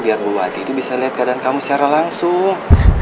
biar bu ati bisa lihat keadaan kamu secara langsung